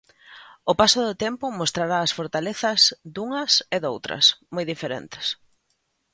O paso do tempo mostrará as fortalezas dunhas e doutras, moi diferentes.